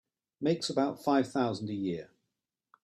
Makes about five thousand a year.